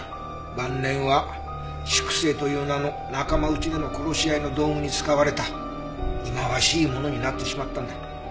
晩年は粛清という名の仲間内での殺し合いの道具に使われた忌まわしいものになってしまったんだ。